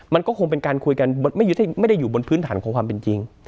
มันก็คงเป็นการคุยกันไม่ได้อยู่บนพื้นฐานของความเป็นจริง